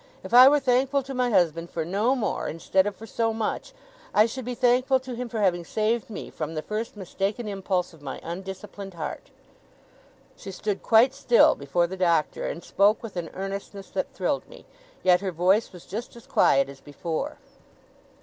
If I were thankful to my husband for no more, instead of for so much, I should be thankful to him for having saved me from the first mistaken impulse of my undisciplined heart.' She stood quite still, before the Doctor, and spoke with an earnestness that thrilled me. Yet her voice was just as quiet as before.